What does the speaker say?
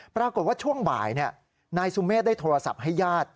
ปรากฏว่าช่วงบ่ายนายสุเมฆได้โทรศัพท์ให้ญาติ